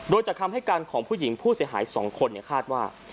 โดยจากคำให้การของผู้หญิงผู้เสียหาย๒คนคาดว่า